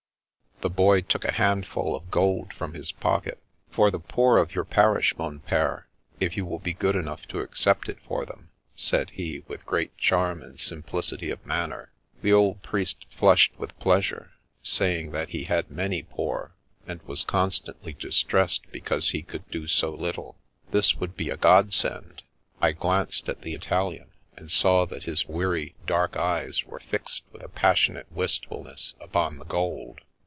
'' The Boy took a handful of gold from his pocket " For the poor of your parish, mon pire, if you will be good enough to accept it for them," said he, with great charm and simplicity of manner. The old priest flushed with pleasure, saying that he had many poor, and was constantly distressed because he could do so little. This would be a Godsend. I glanced at the Italian, and saw that his weary, dark eyes were fixed with a passionate wistfulness upon the gold.